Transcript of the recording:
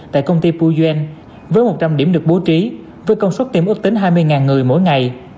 tại công ty puyen việt nam với một trăm linh điểm được bố trí với công suất tiêm ước tính hai mươi người mỗi ngày